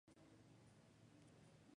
Se ubica en el norte de la provincia.